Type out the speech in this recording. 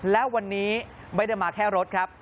และวันนี้ไม่ได้มาแค่รถครับ